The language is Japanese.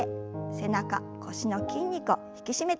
背中腰の筋肉を引き締めていきましょう。